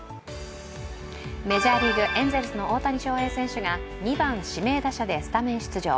メジャーリーグエンゼルスの大谷翔平選手が２番・指名打者でスタメン出場。